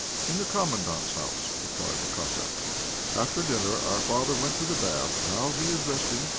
"In the Commandant's house," replied the Cossack. "After dinner our father went to the bath; now he is resting.